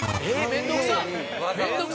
面倒くさっ！